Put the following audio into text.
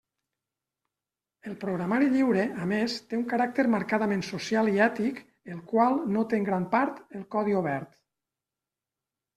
El programari lliure, a més, té un caràcter marcadament social i ètic el qual no té en gran part el codi obert.